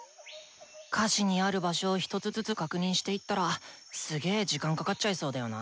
歌詞にある場所を一つずつ確認していったらすげ時間かかっちゃいそうだよな。